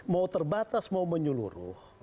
mau terbatas mau menyeluruh